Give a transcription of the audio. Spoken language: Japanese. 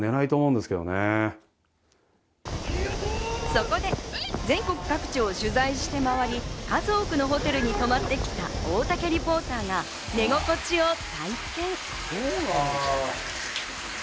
そこで、全国各地を取材して回り、数多くのホテルに泊まってきた大竹リポーターが、寝心地を体験。